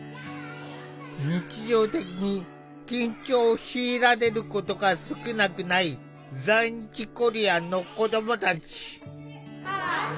日常的に緊張を強いられることが少なくない在日コリアンの子どもたち。